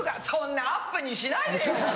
そんなアップにしないでよ。